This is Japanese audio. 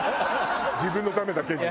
自分のためだけに。